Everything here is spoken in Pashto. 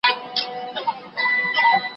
هغه وويل چي ونه مهمه ده!